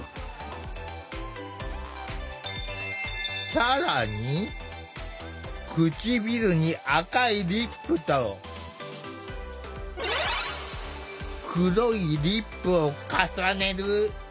更に唇に赤いリップと黒いリップを重ねる。